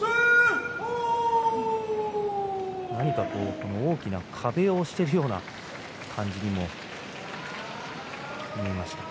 何か大きな壁を押しているような感じにも見えました。